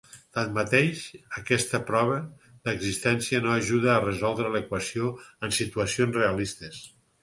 Tanmateix, aquesta prova d'existència no ajuda a resoldre l'equació en situacions realistes.